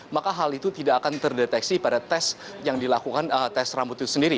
maka hal itu tidak akan terdeteksi pada tes yang dilakukan tes rambut itu sendiri